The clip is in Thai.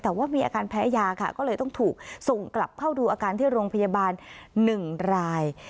แต่ว่ามีอาการแพ้ยาค่ะก็เลยต้องถูกส่งกลับเข้าดูอาการที่โรงพยาบาล๑ราย